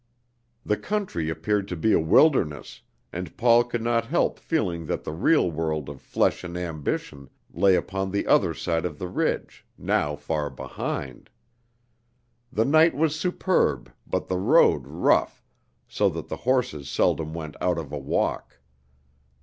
The country appeared to be a wilderness, and Paul could not help feeling that the real world of flesh and ambition lay upon the other side of the ridge, now far behind. The night was superb, but the road rough, so that the horses seldom went out of a walk.